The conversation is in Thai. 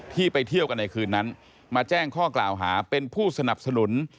ไปเที่ยวกันในคืนนั้นมาแจ้งข้อกล่าวหาเป็นผู้สนับสนุน